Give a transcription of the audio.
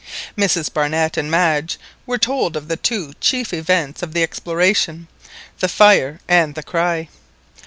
Mrs Barnett and Madge were told of the two chief events of the exploration: the fire and the cry.